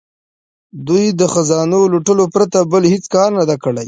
دوی د خزانو لوټلو پرته بل هیڅ کار نه دی کړی.